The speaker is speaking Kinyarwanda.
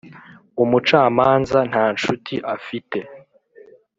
umucamanza nta nshuti afite